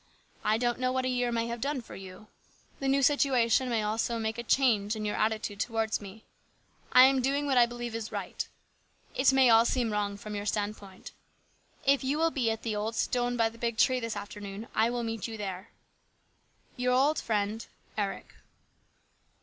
I don't know what a year may have done for you. The new situation may also make a change in your attitude towards me. I am doing what I believe is right. It may seem all wrong from your standpoint. If you will be at the old stone by the big tree this afternoon, I will meet you there. *' Your old friend, " ERIC."